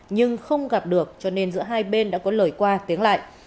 nhưng không gặp được cho nên giữa hai bên đã có lời qua tiếng lại